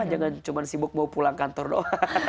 jangan cuma sibuk mau pulang kantor doa